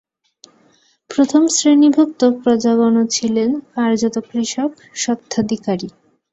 প্রথম শ্রেণিভুক্ত প্রজাগণ ছিল কার্যত কৃষক স্বত্বাধিকারী।